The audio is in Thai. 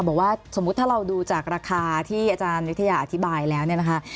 บอกว่าสมมุติถ้าเราดูจากราคาที่อาจารย์วิทยาอธิบายแล้วเนี่ยนะคะ